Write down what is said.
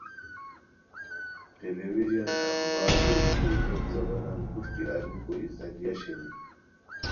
ٹیلی وژن اخبار ریڈیو لوٹ زبانان پروشٹی الیکو ای ذریعہ شینی